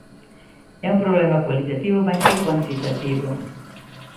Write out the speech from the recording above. É un problema cualitativo máis que cuantitativo.